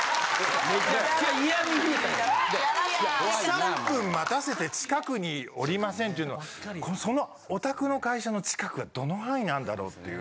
３分待たせて近くにおりませんっていうのはそのお宅の会社の近くはどの範囲なんだろうっていう。